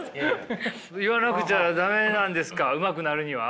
言わなくちゃ駄目なんですかうまくなるには。